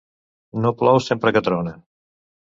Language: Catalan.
No plou sempre que trona.